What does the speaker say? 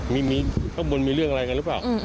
มีข้างบนมีเรื่องอะไรกันหรือเปล่า